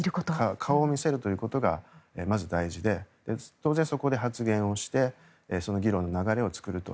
顔を見せるということがまず大事で当然、そこで発言をして議論の流れを作ると。